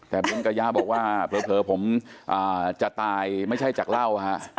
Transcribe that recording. แต่บุ๋มกระยะบอกว่าเผลอผมจะตายไม่ใช่จากเหล้าฮะ